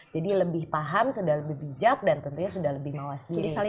jadi lebih paham sudah lebih bijak dan tentunya sudah lebih mawas diri